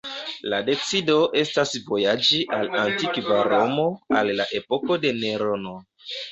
La decido estas vojaĝi al antikva Romo, al la epoko de Nerono.